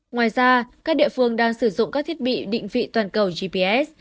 ngoài ra các địa phương đang sử dụng các thiết bị định vị toàn cầu gps